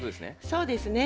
そうですね。